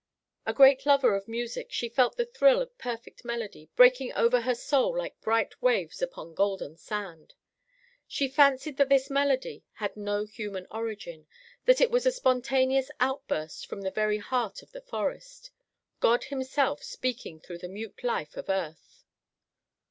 A great lover of music, she felt the thrill of perfect melody breaking over her soul like bright waves upon golden sand. She fancied that this melody had no human origin, that it was a spontaneous outburst from the very heart of the forest; God himself speaking through the mute life of earth.